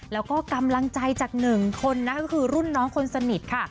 แล้วก็กำลังใจจากหนึ่งคนนะคะก็คือรุ่นน้องคนสนิทค่ะ